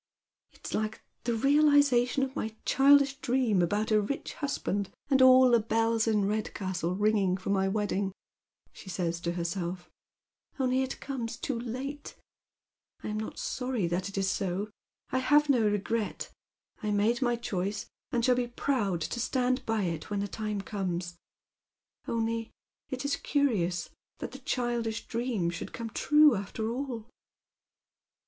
" It is like Uie realization of my cliildish dream aliotit a rich husband, and all the bells in Redcastle rinj^lng for my wedding," Bhe says to herself, " only it comes too late. I am not sorry that it is HO. I have no regret. I made my choice, and shall be proud to stand by it when the time comes. Only it is curious that the childish dream should come trae aftei* all."